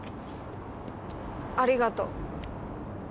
ありがとう。